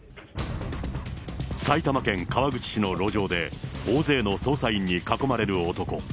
埼玉県川口市の路上で、大勢の捜査員に囲まれる男。